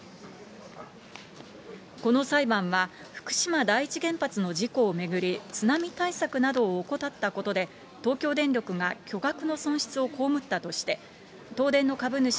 この裁判は、福島第一原発の事故を巡り、津波対策などを怠ったことで東京電力が巨額の損失を被ったとして、東電の株主